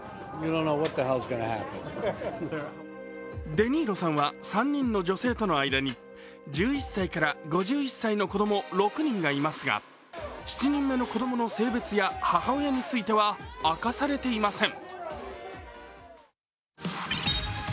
デ・ニーロさんは３人の女性との間に１１歳から５１歳の子供６人がいますが７人目の子供の性別や母親については明かされていません。